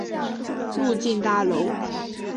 入境大楼